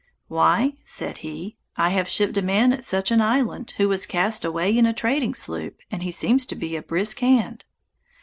"Why," said he, "I have shipped a man at such an island, who was cast away in a trading sloop, and he seems to be a brisk hand."